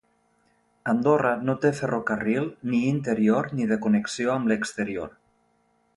Andorra no té ferrocarril ni interior ni de connexió amb l'exterior.